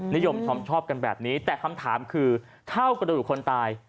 นิยมชอบกันแบบนี้แต่คำถามคือเท่ากระดูกคนตาย